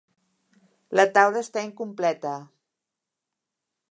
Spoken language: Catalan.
La taula està incompleta.